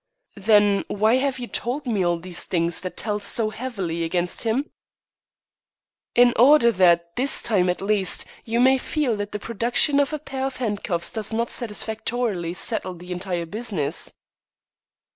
"Then why have you told me all these things that tell so heavily against him?" "In order that, this time at least, you may feel that the production of a pair of handcuffs does not satisfactorily settle the entire business."